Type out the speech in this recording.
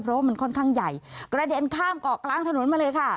เพราะว่ามันค่อนข้างใหญ่กระเด็นข้ามเกาะกลางถนนมาเลยค่ะ